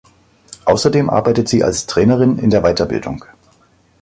Außerdem arbeitet sie als Trainerin in der Weiterbildung.